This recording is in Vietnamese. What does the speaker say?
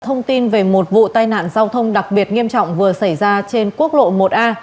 thông tin về một vụ tai nạn giao thông đặc biệt nghiêm trọng vừa xảy ra trên quốc lộ một a